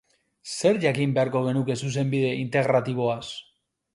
Zer jakin beharko genuke Zuzenbide Integratiboaz?